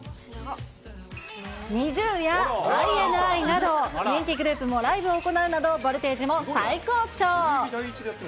ＮｉｚｉＵやＩＮＩなど、人気グループもライブを行うなどボルテージも最高潮。